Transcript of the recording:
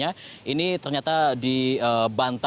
mungkin kita bisa dapatnya